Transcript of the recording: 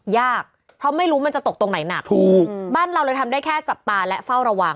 ยากเพราะไม่รู้มันจะตกตรงไหนหนักถูกบ้านเราเลยทำได้แค่จับตาและเฝ้าระวัง